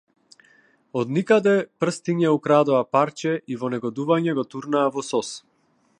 Од никаде прстиња украдоа парче и во негодување го турнаа во сос.